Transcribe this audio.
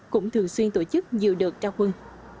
cũng thường xuyên tổ chức dự được trao quân